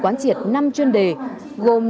quán triệt năm chuyên đề gồm